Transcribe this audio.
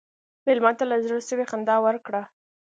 مېلمه ته له زړه سوي خندا ورکړه.